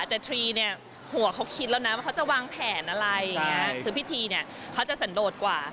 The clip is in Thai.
แต่๓เนี่ยหัวเขาคิดแล้วนะว่าเขาจะวางแผนอะไรคือพี่ทีเนี่ยเขาจะสันโดดกว่า